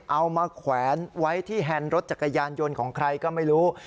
เอามาแขวนไว้ที่แฮนด์รถจักรยานยนต์ของใครก็ไม่รู้